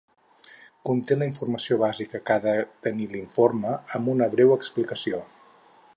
Conté la informació bàsica que ha de tenir l'informe, amb una breu explicació.